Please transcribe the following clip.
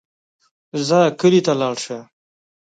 ځه کلي ته دې لاړ شه.